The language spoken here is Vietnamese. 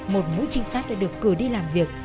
một mũi trinh sát đã được cử đi làm việc